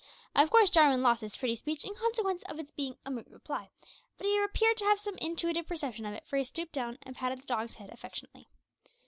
Of course Jarwin lost this pretty speech in consequence of its being a mute reply, but he appeared to have some intuitive perception of it, for he stooped down and patted the dog's head affectionately.